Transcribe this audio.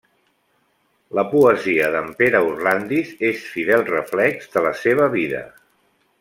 La poesia d'en Pere Orlandis és fidel reflex de la seva vida.